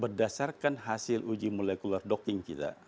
berdasarkan hasil uji molekuler docking kita